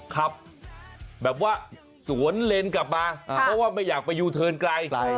ขับแบบว่าสวนเลนกลับมาเพราะว่าไม่อยากไปยูเทิร์นไกล